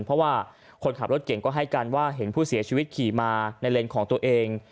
เพราะว่าคนขับรถเก่งก็ให้การว่าเห็นผู้เสียชีวิตขี่มาในเลนส์ของตัวเอง